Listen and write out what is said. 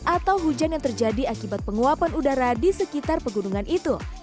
atau hujan yang terjadi akibat penguapan udara di sekitar pegunungan itu